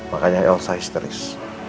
makanya elsa histeris